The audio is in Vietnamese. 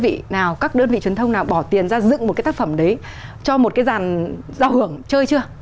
vị nào các đơn vị truyền thông nào bỏ tiền ra dựng một cái tác phẩm đấy cho một cái dàn giao hưởng chơi chưa